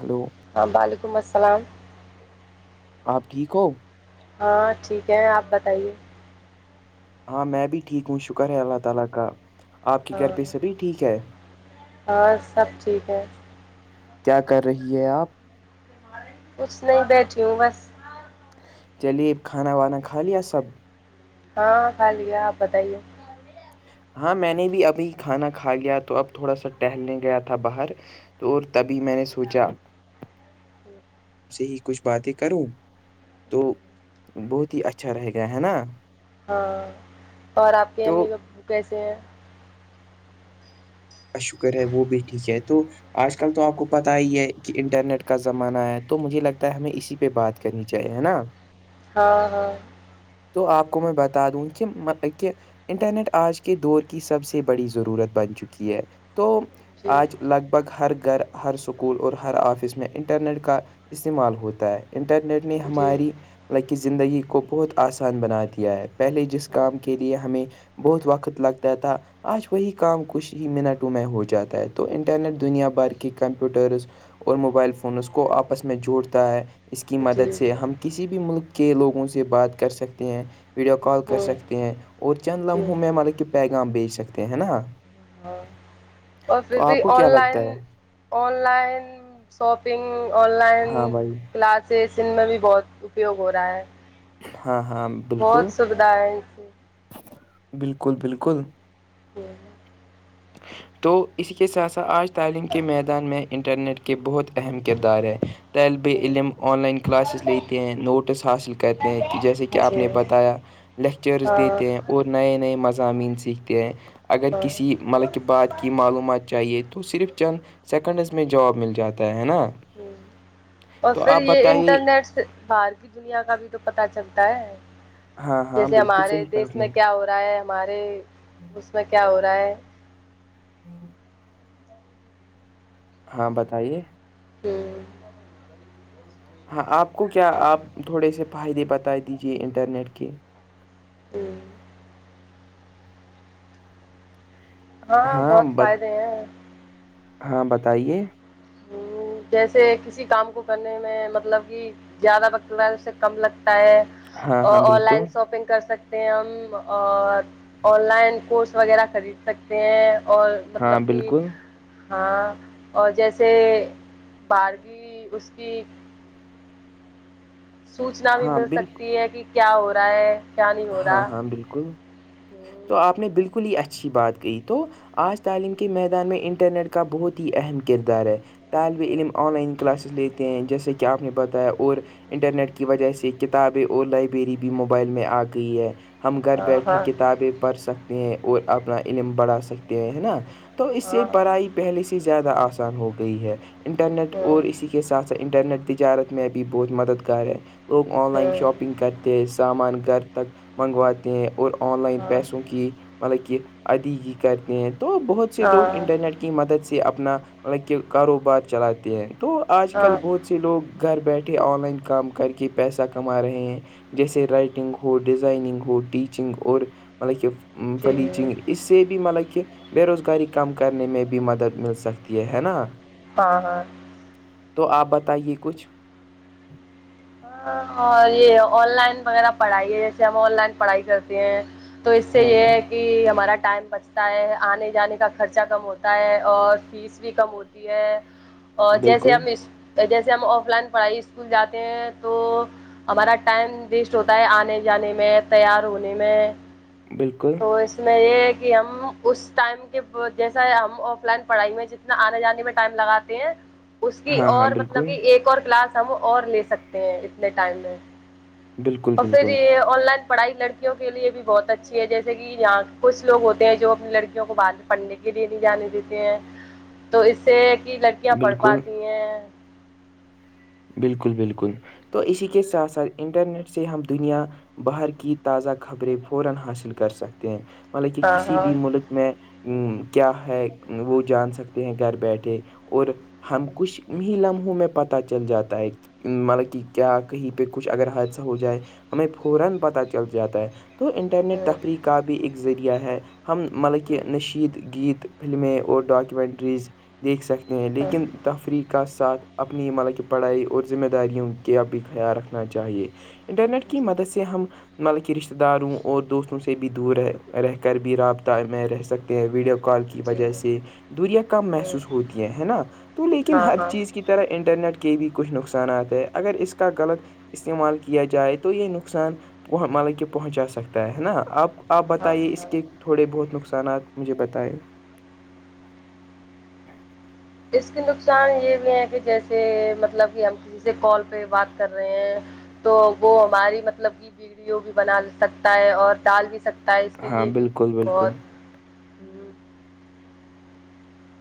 hello ہاں وعلیکم السلام آپ ٹھیک ہو ہاں ٹھیک ہے آپ بتائیے ہاں میں بھی ٹھیک ہوں شکر ہے اللہ تعالی کا آپ کے ہاں گھر پہ سبھی ٹھیک ہے ہاں سب ٹھیک ہے کیا کر رہی ہے آپ کچھ نہیں بیٹھی ہوں بس چلیے کھانا وانا کھا لیا سب ہاں خالیا آپ بتائیے ہاں میں نے بھی ابھی کھانا کھا لیا تو اب تھوڑا سا ٹہلنے گیا تھا باہر تو تبھی میں نے سوچا سے ہی کچھ باتیں کروں تو بہت ہی اچھا رہے گا ہے نا ہاں اور آپ کے تو امی پو کیسے ہیں کا شکر ہے وہ بھی ٹھیک ہے تو آج کل تو آپ کو پتا ہی ہے کہ انٹرنیٹ کا زمانہ ہے تو مجھے لگتا ہے ہمیں اسی پہ بات ہے کرنی چاہیے ہے نا ہاں ہاں تو آپ کو میں بتا دوں کہ کہ انٹرنیٹ آج کے دور کی سب سے بڑی ضرورت بن چکی ہے تو جی آج لگ بھگ ہر گھر ہر سکول اور ہر آفس میں انٹرنیٹ کا استعمال ہوتا ہے انٹرنیٹ نے جی ہماری لک زندگی کو بہت آسان بنا دیا ہے پہلے جس ہوں کام کے لیے ہمیں بہت وقت لگتا تھا آج وہی کام کچھ ہی منٹوں میں ہو جاتا ہے تو انٹرنیٹ دنیا بھر کے کمپیوٹرز اور موبائل فون اس کو آپس میں جوڑتا ہے اس کی جی مدد سے جی ہم کسی بھی ملک کے لوگوں سے بات کر سکتے ہیں ویڈیو کال کر ہوں سکتے ہیں اور چند جی لمحوں میں مطلب کہ پیغام بیچ سکتے ہیں نا ہاں اور پھر تو بھی آپ کو آن کیا لائن لگتا ہے online shopping online ہاں بھائی کلاس میں بھی بہت اپیوگ ہو رہا ہے ہاں ہاں بہت بالکل سویدھ ہے اس سے بالکل بالکل تو [unintelligible] تو اسی کے ساتھ ساتھ آج تعلیم کے میدان میں انٹرنیٹ کے بہت اہم کردار ہے طالب ہوں علم آن لائن کلاسز لیتے ہیں نٹس حاصل کرتے ہیں کہ جیسے کہ آپ جی نے ہاں بتایا لیکچرز دیتے ہیں اور نئے نئے مضامین سیکھتے ہیں اگر ہاں ہ کسی مطلب کہ بات کی معلومات چاہیے تو صرف چند سیکنڈز میں جاب مل جاتا ہے نا [inaudible] اور تو پھر آپ یہ بتائیے انٹرنیٹ سے باہر کی دنیا کا بھی تو پت چلتا ہے ہاں ہاں جیسے بالکل ہمارے صحیح کہا دیس آپ نے میں کیا ہو رہا ہے ہمارے اس میں کیا ہو رہا ہے ہوں ہاں بتائیے ہ ہاں آپ کو کیا آپ تھوڑے سے فائدے بتا دیجیے انٹرنیٹ کے ہ ہاں بہت ب فائدے ہیں ہاں بتائیے ہ جیسے کسی کام کو کرنے میں مطلب کہ زیادہ وقت ہے اس سے کم لگتا ہے ہاں ہاں آن بالکل لائن شاپنگ کر سکتے ہم آن لائن کورس وغیرہ خرید سکتے ہیں اور ہاں مطلب کہ بالکل ہاں اور جیسے بار کی اس کی سوچنا بھی ہاں مل بالکل سکتی ہے کہ کیا ہو رہا ہے کیا نہیں ہو ہاں رہا ہاں بالکل ہوں، تو آپ نے بالکل ہی اچھی بات کہ تو آج تعلیم کے میدان میں انٹرنیٹ کا بہت ہی اہم کردار ہے طالب علم آن لائن کلاسز لیتے ہیں جیسے کہ آپ نے بتایا اور انٹرنیٹ کی وجہ سے کتابیں اور لائبریری بھی موبائل میں آ گئی ہے ہم گھر ہاں بیٹھے ہاں کتابیں پڑھ سکتے ہیں اور اپنا علم بڑھا سکتے ہیں ہے نا تو اس سے ہاں پڑھائی پہلے سے زیادہ آسان ہو گئی ہے انٹرنیٹ اور اسی کی کے ساتھ سھ انٹرنیٹ تجارت میں ا بھی بہت مددگار ہے لوگ آن لائن ہاں شاپنگ کرتے سامان گھر تک منگواتے ہیں اور آن لائن ہاں پیسوں کی مطلب کہ ادگی کرتے ہیں تو بہت سے ہاں لوگ انٹرنیٹ کی مدد سے اپنا مطلب کہ کاروبار چلاتے ہیں تو آج کل ہاں بہت سے لوگ گھر بیٹھے آن لائن کام کر کے پیسہ کما رہے ہیں جیسے رائٹنگ ہو ڈیزائننگ ہو ٹیچنگ اور مطلب کہ جی فلیچنگ اس سے بھی مطلب کہ بے روزگاری کم کرنے میں بھی مدد مل سکتی ہے ہے نا ہاں ہاں تو آپ بتائیے کچھ ہاں اور یہ آن لائن وغیرہ پڑھائی ہے جیسے ہم آن لائن پڑھائی کرتے ہیں تو اس سے ہاں یہ ہاں ہے کہ ہمارا ٹائم بچتا ہے آنے جانے کا خرچہ کم ہوتا ہے اور پھر عیسوی کم ہوتی ہے اور جیسے بالکل ہم اس جیسے ہم آف لائن پڑھائی اسکول جاتے ہیں تو ہمارا ٹائم ویسٹ ہوتا ہے آنے جانے میں تیار ہونے میں بالکل تو اس میں یہ ہے کہ ہم اس ٹائم کے جیسا ہم آف لائن پڑھائی میں ج آنے جانے میں ٹائم لگاتے ہیں اس کی ہاں ہاں اور مطلب بالکل کہ ایک اور کلاس ہم اور لے سکتے ہیں اتنے ٹائم میں بالکل اور پھر بالکل یہ آن لائن پڑھائی لڑکیوں کے لیے بھی بہت اچھی ہے جیسے کہ یہاں کچھ لو ہوتے ہیں جو اپنی لڑکیوں کو بد پڑھنے کے لیے نہیں جانے دیتے ہیں تو اس سے کہ لڑکیاں پڑھ بالکل پاتی ہیں بالکل بالکل تو اسی کے ساتھ ساتھ انٹرنیٹ سے ہم دنیا ہاں ہاں [unintelligible] میں کیا ہے وہ جان سکتے ہیں گھر بیٹھے اور ہم کچھ ہی لمحوں میں پتاہ چل جاتا ہے [unintelligible] تو انٹرنیٹ تفریح کا بھی ایک ذریعہ ہے ہم مطلب کہ نشیید گیت فلمیں اور ڈاکومنٹریز دیکھ سکتے ہیں لیکن تفریح کا ساتھ اپنی مل کے پڑھائی اور ذمہ داریوں کے اب بھی خیال رکھنا چاہیے انٹرنیٹ کی جی مدد سے ہم مطلبک رشتتے داروں اور دوستوں سے بھی دور رہ رہ کر بھی رابطہ میں رہ سکتے ہیں ویڈیو کال کی جی وجہ سے دوریا کم محسوس ہوتی ہے ہے نا تو لیکن ہاں ہر ہاں چیز کی طیرا انٹرنیٹ کے بھی کچھ نقصانات ہے اگر اس کا غلط استعمال کیا جائے تو یہ نقصان مطلب کہ پہنچا سکتا ہے نا آب آپ ہاں بتائیے اس ہاں کے تھوڑے بہت نقصانات مجھے بتائائے اس کے نقصان یہ بھی ہے کہ جیسے مطلب کہ ہم کسی سے کال پہ بات کر رہے ہیں تو وہ ہماری مطلب کہ بیڑیوں بھی بنا سکتا ہے اور دال بھی سکتا ہے اس کے ہاں لیے بھی بالکل بالکل بہت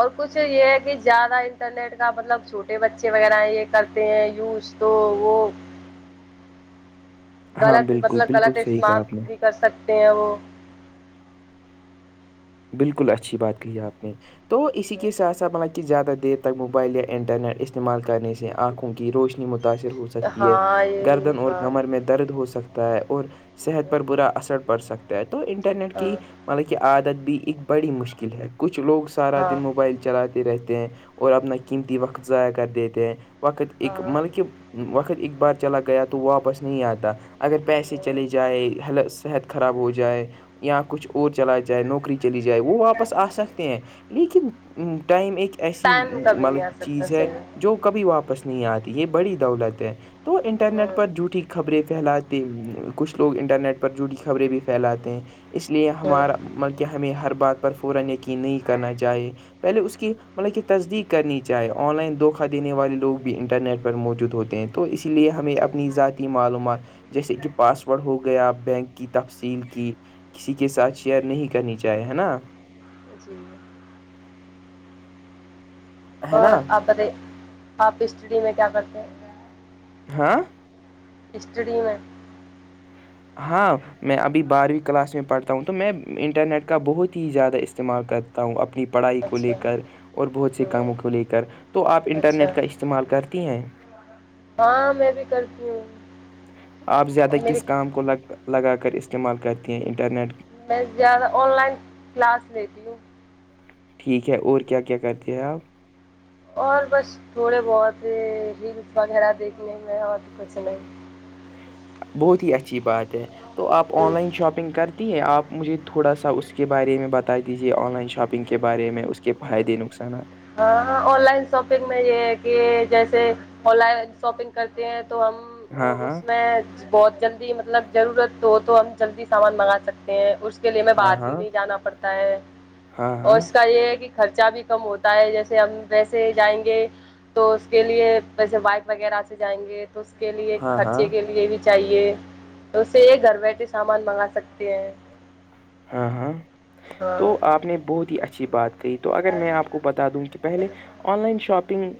اور کچھ یہ ہے کہ زیادہ انٹرنیٹ کا مطلب چھوٹے بچے وغیرہ یہ کرتے ہیں یوز تو وہ [unintelligible] غلط بالکل مطلب بالکل غلط صحیح کہا استماف آپ نے بھی کر سکتے ہیں وہ بالکل اچھی بات کہ ہے آپ نے تو اسی کے ساتھ ساتھ م کہ زیادہ دیر تک موبائل یا انٹرنیٹ استعمال کرنے سے آنکھوں کی روشنی متاأثر ہو ہے سکتی ہے ہاں یہ بھی گردن اور ہاں کمر میں د درد ہو سکتا ہے اور جی صحت پر برا اثر پڑ سکتا ہے تو انٹرنیٹ ہاں کی مطلب کہ عادت بھی ا ایکک بڑی مشکل ہے کچھ لوگ سارا دن ہاں موبائل چلاتے رہتے ہیں اور اپنا قیمتی وقت ضائع کر دیتے ہیں وقت ایک ہاں مطلب کہ وقت اک بار چلا گیا تو واپس نہیں آتا اگر پیسے چلے جائےل صحت خراب ہو جائے یااں کچھ اور چلا جائے نوکری چلی جائے وہ واپس آ سکتے ہیں لیکن ٹائم ایک نہیں ایسی ٹائم کا بھی نہیں مطلب آ کی سکتا چیز ہے صحیح جو کبھی واپس نہیں آتی یہ بڑی دولت ہے تو انٹرنیٹ ہوں پر جوٹھی خبریں پھیلاتے کچھ لوگ انٹرنیٹ پر جڑی خبریں بھی پھیلاتے ہیں اس لیے ہمارا ہوں بلکہ ہمیں ہر بات پر فورا یقین نہیں کرنا چاہیے پہلے اس کی مطلب کہ تصدیق کرنی چاہے آن لائن دھوکھا دینے والے لوگ بھی انٹرنیٹ پر موجود ہوتے ہیں تو اسی لیے ہمیں جی اپنی ذاتی جی معلومات جیسے کہ پاس ورڈ ہو گیا بینک کی تفصیل کی کسی کے ساتھ شیئر نہیں کا نیچا آئے ہے نا جی ہے اور نا آپ ب آپ ہسٹی میں کیا کرتے ہیں ہاں ہسٹریی میں ہاں میں ابھی بارہویں کلاس میں پڑھتا ہوں تو میں انٹرنیٹ کا بہت ہی زیادہ استعمال کرتا ہوں تا ہوں اپنی پڑھائی کو اچھا لے کر اور بہت سے کاموں ہوں کو لے کر تو آپ انٹرنیٹ اچھا کا استعمال کرتی ہیں ہاں میں بھی کرتی ہوں آپ زیادہ اور میری کس کام کو لگ لگا کر استعمال کرتے ہیں انٹرنیٹ میں زیادہ آن لائن کلاس لیتی ہوں ٹھیک ہے اور کیا کیا کرتے ہیں آپ اور بس تھوڑے بہت ہیلس وغیرہ دیکھنے میں اور کچھ نہیں بہت ہی اچھی بات ہے تو آپ ہوں آن لائن شاپنگ کرتے تی ہے آپ مجھے تھوڑا سا اس کے بارے میں بتا دیجیے آن لائن شاپنگ کے بارے میں اس کے فائدے نقصانات ہاں آن لائن شاپنگ میں یہ ہے کہ جیسے آن لائن شاپنگ کرتے ہیں تو ہم ہاں ہاں اس میں بہت جلدی مطلب ضرورت ہو تو ہم جلدی سامان منگا سکتے ہیں اس اس کے لیے میں ہاں باہر بھی ہاں نہیں جانا پڑتا ہے ہاں اور ہاں اس کا یہ ہے کہ خرچہ بھی کم ہوتا جیسے ہم ویسے جائیں گے تو اس کے لیے ویسے بائک وغیرہ سے جائیں گے تو اس کے لیے ہاں ہاں خرچے کے لیے بھی چاہیے تو اسے ایک گھر بیٹھے سامان منگا سکتے ہیں ہاں ہاں ہاں تو آپ نے بہت ہی اچھی بات گئی تو اگر میں آپ کو بتا دوں کہ پہلے آن لائن شاپنگ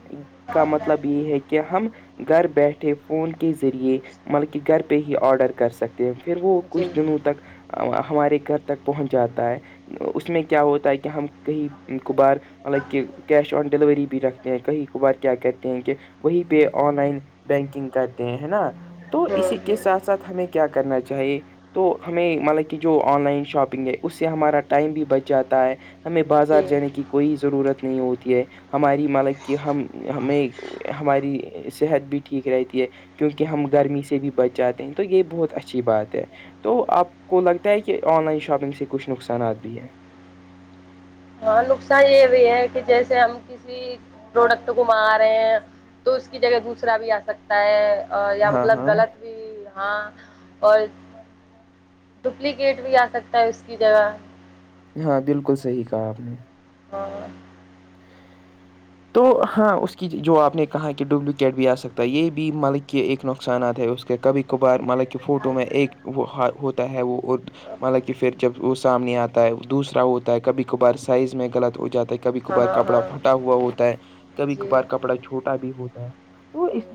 کا مطلب یہ ہے کہ کیا ہم گھر بیٹھے فون کے ذریعے بلکہ گھر پہ ہی آرڈر کر سکتے پھر وہ کچھ جی دنوں تک ہمارے گھر تک پہنچ جاتا ہے اس میں کیا ہوتا ہے کہ ہم کہیں قبار مطلب کہ کیش آن ڈیلوری بھی رکھ کہیں ک بار کیا کہتے ہیں کہ وہی پہ آن لائن بینکنگ کرتے ہیں ہے نا تو ہاں اسی کے ہاں ساتھ ساتھ ہمیں کیا کرنا چاہیے تو ہمیں مطلب کہ جو آن لائن شاپنگ ہے اس سے ہمارا ٹائم بھی بچ جاتا ہے ہمیں بازار جی جانے کی کوئی ضرورت نہیں ہوتی ہے ہماری مالک کی ہم ہمیں ہماری صحت بھی ٹھیک رہتی ہے کیونکہ ہم گرمی سے بھی بچ جاتے ہیں تو یہ بہت اچھی بات ہے تو آپ کو لگتا ہے کہ آن لائن شاپنگ سے کچھ نقصانات بھی ہیں ہاں نقصان یہ بھی ہے کہ جیسے ہم ک پروڈکٹ کو مگا رہے ہیں تو اس کی جگہ دوسرا بھی آ سکتا تا ہے اور یا ہاں مطلب ہاں غلط بھی ہاں اور ڈپلیکیٹ بھی آ سکتا ہے اس کی جگہ ہاں بالکل صحیح کہا آپ نے ہاں ہاں [unintelligible] تو ہاں اس کی جو آپ نے کہا کہ ڈوبلیکیٹ بھی آ سکتا ہے یہ بھی مالک کہ ایک نقصانات ہے اس کے کبھی کبھار مطلب کہ فوٹو میں ایک وہ ہوتا ہے وہ مطا کہ پھر جب وہ سامنے آتا ہے دوسرا ہوتا ہے کبھی کبھار سائز میں غلط ہو جاتا ہے کبھی ہاں کبار ہاں کپڑا ہاں پھٹا ہوا ہوتا ہے کبھی جی کبھار کپڑا چھوٹ چھوٹا بھی ہوتا ہے وہ اس ہوں،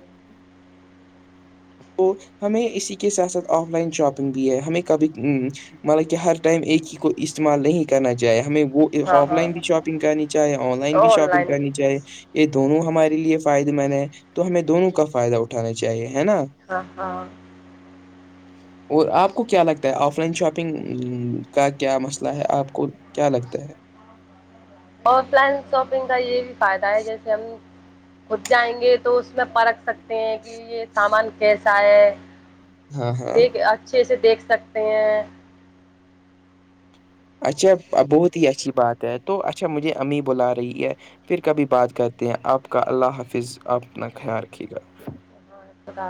تو ہمیں اسی کے ساتھ ساتھ آف لائن شاپنگ بھی ہے ہمیں کبھی ا مطلب کہ ہر ٹائم ایک ہی کو استعمال نہیں کرنا چاہی ہمیں وہ ہاں آف ہاں لائن بھی شاپنگ کرنی چاہے آن لائن بھی شاپنگ لائن کرنی بھی یہ دونوں ہمارے لیے فائدے مند ہے تو ہمیں دونوں کا فائدہ اٹھانا چاہیے ہے نا ہاں ہاں [unintelligible] اور آپ کو کیا لگتا ہے آف لائن شاپنگ کا کیا مسئلہ ہے آپ کو کیا لگتا ہے آف لائن شاپنگ کا یہ بھی فائدہ ہے جیسے ہم کود جائیں گے تو اس میں پرکھ سکتے ہیں کہ یہ سامان کیسا ہے ہاں ہاں دیکھ اچھے سے دیکھ سکتے ہیں اچھا بہت ہی اچھی بات ہے تو اچھا مجھے امی بلا رہی ہے پھر کبھی بات کرتے ہیں آپ کا اللہ حافظ اپپ اپنا خیال رکھیے گا ہاں، خدا